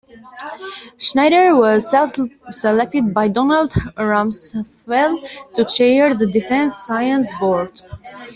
Schneider was selected by Donald Rumsfeld to chair the Defense Science Board.